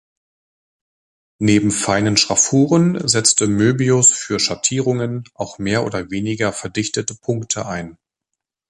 Neben feinen Schraffuren setzte Moebius für Schattierungen auch mehr oder weniger verdichtete Punkte ein.